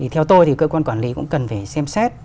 theo tôi thì cơ quan quản lý cũng cần phải xem xét